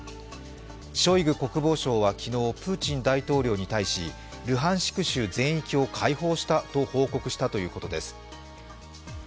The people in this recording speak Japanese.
ショイグ国防相は昨日プーチン大統領に対しルハンシク州全域を解放したと報告したということです。